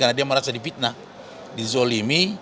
karena dia merasa dipitnah dizolimi